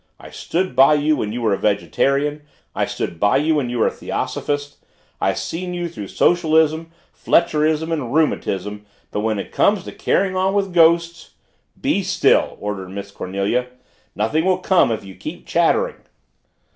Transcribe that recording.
"I stood by you when you were a vegetarian I stood by you when you were a theosophist and I seen you through socialism, Fletcherism and rheumatism but when it comes to carrying on with ghosts " "Be still!" ordered Miss Cornelia. "Nothing will come if you keep chattering!"